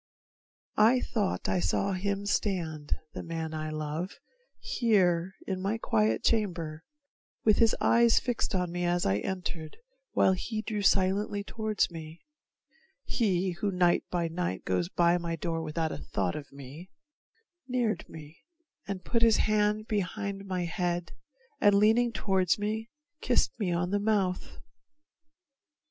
I thought I saw him stand, the man I love, Here in my quiet chamber, with his eyes Fixed on me as I entered, while he drew Silently toward me he who night by night Goes by my door without a thought of me Neared me and put his hand behind my head, And leaning toward me, kissed me on the mouth.